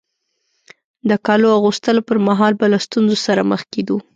د کالو اغوستلو پر مهال به له ستونزو سره مخ کېدو.